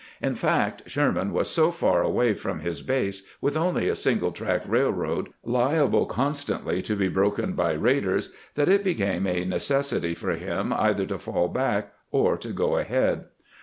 In fact, Sherman was so far away from his base, with only a single track railroad, liable constantly to be broken by raiders, that it became a necessity for 316 CAMPAIGNING WITH GRANT him either to fall back or to go ahead.